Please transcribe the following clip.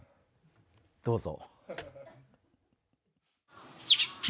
どうぞ。